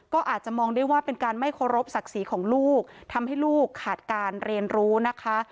ก็อาจจะมองได้ว่าเป็นการไม่เคารพศักดิ์ศรีของลูกทำให้ลูกขาดการเรียนรู้นะคะ